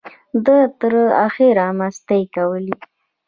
ده تر اخره مستۍ کولې.